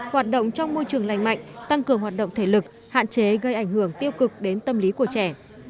hoạt động trong môi trường lành mạnh tăng cường hoạt động thể lực hạn chế gây ảnh hưởng tiêu cực đến tâm lý của trẻ